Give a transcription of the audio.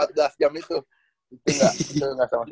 itu gak sama sekali